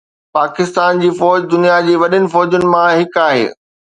پاڪستان جي فوج دنيا جي وڏين فوجن مان هڪ آهي.